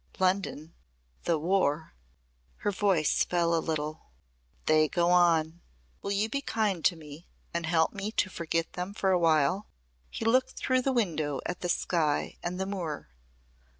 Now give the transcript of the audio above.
London the War " her voice fell a little. "They go on. Will you be kind to me and help me to forget them for a while?" He looked through the window at the sky and the moor.